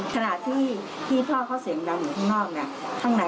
ขณะที่พ่อเขาเสียงดำอยู่ข้างนอกเนี่ย